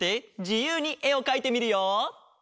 じゆうにえをかいてみるよ。